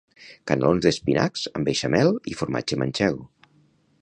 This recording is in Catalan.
Canalons d'espinacs amb beixamel i formatge mantxego